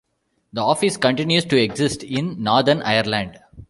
The office continues to exist in Northern Ireland.